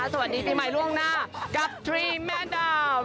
สวัสดีปีใหม่ล่วงหน้ากับทรีแม่ดาว